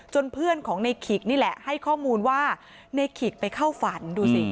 เพื่อนของในขิกนี่แหละให้ข้อมูลว่าในขิกไปเข้าฝันดูสิ